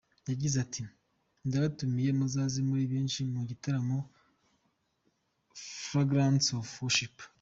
Yagize ati ‘‘Ndabatumiye muzaze muri benshi mu gitaramo Fragrance of Worship.